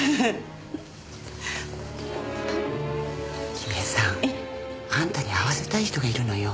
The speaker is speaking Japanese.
君江さんあんたに会わせたい人がいるのよ。